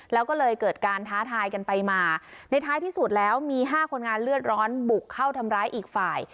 แล้วก็เลยเกิดการท้าทายกันไปมาในท้ายที่สุดแล้วมี๕คนงานเลือดร้อนบุกเข้าทำร้ายอีกฝ่าย